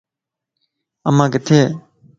امان ڪٿيءَ؟